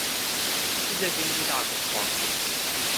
世界經濟大恐慌